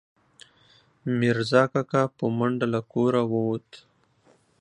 میرزا کاکا، په منډه له کوره ووت